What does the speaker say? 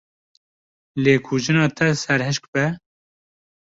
Lê ku jina te serhişk be.